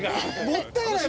もったいない。